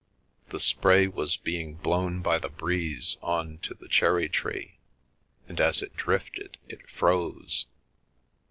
The spray was being blown by the breeze on to the cherry tree, and as it drifted it froze.